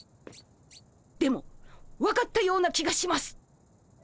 でも分かったような気がします。